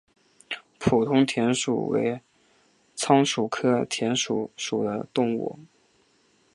普通田鼠为仓鼠科田鼠属的动物。